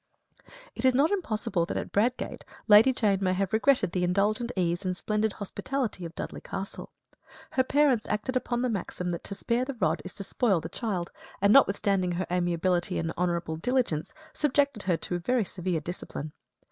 It is not impossible that at Bradgate Lady Jane may have regretted the indulgent ease and splendid hospitality of Dudley Castle. Her parents acted upon the maxim that to spare the rod is to spoil the child; and notwithstanding her amiability and honourable diligence, subjected her to a very severe discipline.